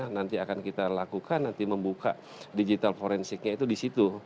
nanti akan kita lakukan nanti membuka digital forensiknya itu di situ